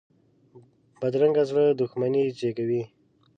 بدرنګه زړه دښمني زېږوي